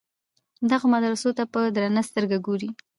دغو مدرسو ته په درنه سترګه ګوري.